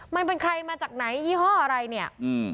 มันเป็นใครมาจากไหนยี่ห้ออะไรเนี่ยอืม